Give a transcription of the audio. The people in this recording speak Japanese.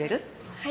はい。